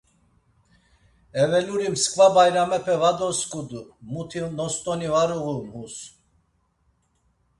Eveluri msǩva bayramepe va dosǩudu, muti nost̆oni var uğun hus.